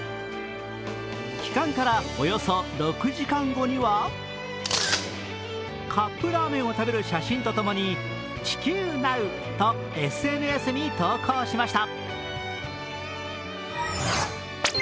帰還からおよそ６時間後にはカップラーメンを食べる写真とともに、「地球なう」とＳＮＳに投稿しました。